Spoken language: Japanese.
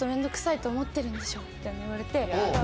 みたいに言われて。